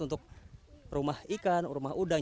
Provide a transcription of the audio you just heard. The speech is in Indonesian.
untuk rumah ikan rumah udang